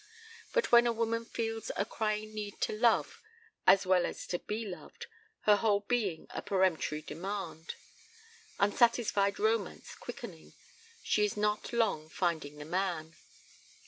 And when a woman feels a crying need to love as well as to be loved, her whole being a peremptory demand, unsatisfied romance quickening, she is not long finding the man.